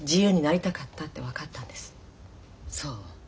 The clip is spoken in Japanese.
そう。